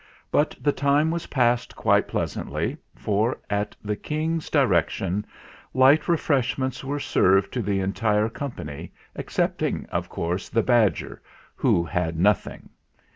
But the time was passed quite pleasantly, for, at the King's di rection, light refreshments were served to the entire company excepting, of course, the badger, who had nothing.